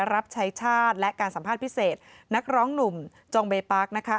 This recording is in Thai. รับใช้ชาติและการสัมภาษณ์พิเศษนักร้องหนุ่มจองเบปาร์คนะคะ